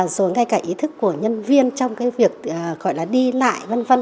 rồi ngay cả ý thức của nhân viên trong cái việc gọi là đi lại vân vân